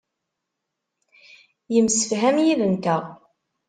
Yemsefham yid-nteɣ.